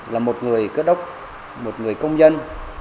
là một người cơ đốc một người công dân